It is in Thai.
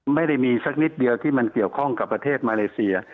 ไม่ได้มีสักนิดเดียวที่มันเกี่ยวข้องกับประเทศมาเลเซีย